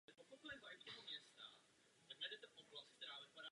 K obci náleží osada Petrův Dvůr.